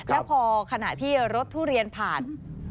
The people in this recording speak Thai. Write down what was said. แล้วพอขณะที่รถทุเรียนผ่าน